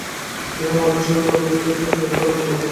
এ সময় মাহফুজের সঙ্গে কথা বলতে চাইলে তাঁরা ফোন বন্ধ করে দেন।